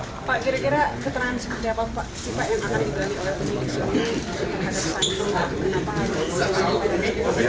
pak kira kira keterangan seperti apa pak si pak yang akan diganti oleh penipuan